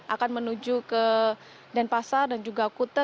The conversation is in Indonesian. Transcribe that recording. akan menuju ke denpasar dan juga kute